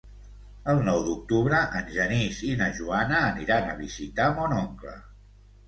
El nou d'octubre en Genís i na Joana aniran a visitar mon oncle.